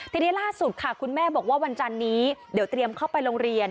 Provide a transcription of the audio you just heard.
ทีนี้ล่าสุดค่ะคุณแม่บอกว่าวันจันนี้เดี๋ยวเตรียมเข้าไปโรงเรียน